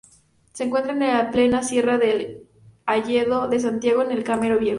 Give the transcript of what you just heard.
Se encuentra en plena "Sierra del Hayedo de Santiago" en el Camero Viejo.